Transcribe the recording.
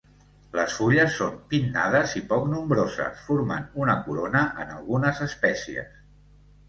Les fulles són pinnades i poc nombroses, formant una corona en algunes espècies.